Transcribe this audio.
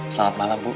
selamat malam bu